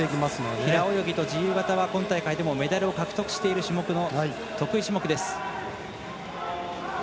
平泳ぎと自由形は今大会でメダルを獲得している種目の得意種目です。